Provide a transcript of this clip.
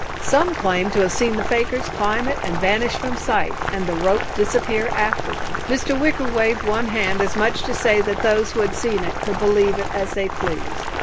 Some claim to have seen the fakirs climb up it and vanish from sight, and the rope disappear after them." Mr. Wicker waved one hand as much as to say that those who had seen it could believe as they pleased.